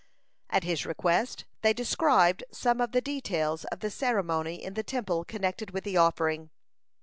At his request, they described some of the details of the ceremony in the Temple connected with the offering.